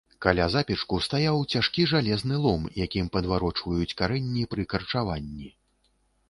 Каля запечку стаяў цяжкі жалезны лом, якім падварочваюць карэнні пры карчаванні.